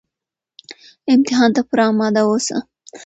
امتحان ته پوره اماده اوسه